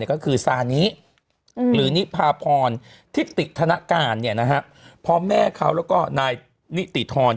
ก็คือซานิหรือนิพาพรที่ติดธนการเนี่ยนะฮะพอแม่เขาแล้วก็นายนิติธรรม